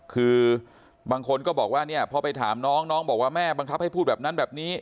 คือบางคนก็บอกว่าเนี่ยพอไปถามน้องน้องบอกว่าแม่บังคับให้พูดแบบนั้นแบบนี้